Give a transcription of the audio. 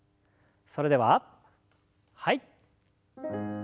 それでははい。